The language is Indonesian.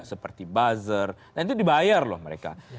seperti buzzer dan itu dibayar loh mereka